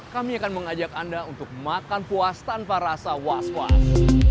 kami akan mengajak anda untuk makan puas tanpa rasa was was